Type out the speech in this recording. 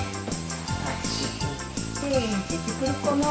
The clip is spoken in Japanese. でてくるかな？